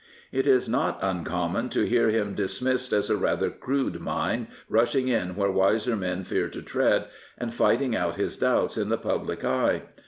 It is not uncommon to hear him dismissed as a rather crude mind rushing in where wiser men fear to tread, and fighting out his doubts in the public eye.